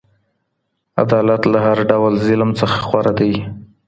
عدالت له هر ډول ظلم څخه غوره دی.